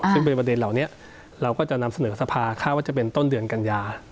ซึ่งเป็นประเด็นเหล่านี้เราก็จะนำเสนอสภาค่าว่าจะเป็นต้นเดือนกันยา